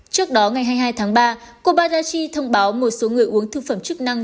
trước đó ngày hai mươi hai tháng ba kobayashi thông báo một số người uống thư phẩm chức năng